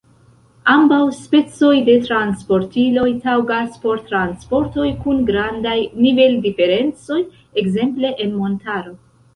Ambaŭ specoj de transportiloj taŭgas por transportoj kun grandaj nivel-diferencoj, ekzemple en montaro.